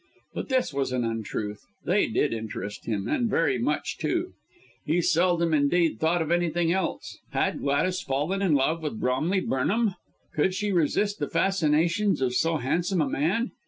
But this was an untruth they did interest him and very much, too. He seldom, indeed, thought of anything else. Had Gladys fallen in love with Bromley Burnham? Could she resist the fascinations of so handsome a man?